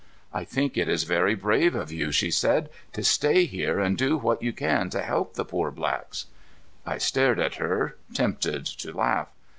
"I think it is very brave of you," she said, "to stay here and do what you can to help the poor blacks." I stared at her, tempted to laugh.